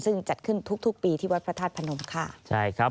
ซึ่งจัดขึ้นทุกปีที่วัดพระธาตุพนมค่ะใช่ครับ